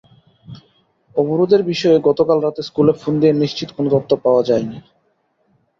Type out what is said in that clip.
অবরোধের বিষয়ে গতকাল রাতে স্কুলে ফোন দিয়ে নিশ্চিত কোনো তথ্য পাওয়া যায়নি।